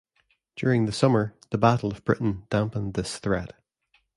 During the summer, the Battle of Britain dampened this threat.